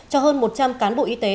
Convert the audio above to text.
cho hơn một trăm linh cán bộ y tế